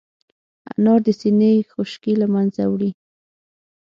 انار د سينې خشکي له منځه وړي.